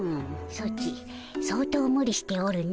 ソチ相当ムリしておるの。